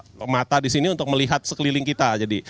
nah jadi ini ada mata di sini untuk melihat sekeliling kita jadi